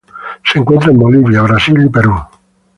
Se encuentra en Bolivia, Brasil y Perú.